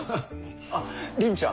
あっ倫ちゃん